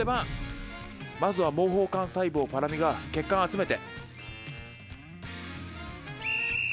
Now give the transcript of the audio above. まずは毛包幹細胞ぱらみが血管集めて。